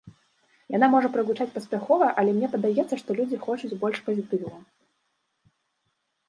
Яна можа прагучаць паспяхова, але мне падаецца, што людзі хочуць больш пазітыву.